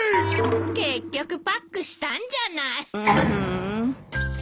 結局パックしたんじゃない。